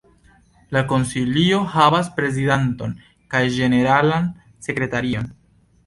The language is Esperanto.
La Konsilio havas prezidanton kaj ĝeneralan sekretarion.